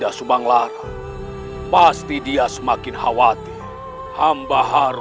aku takut dia akan khawatir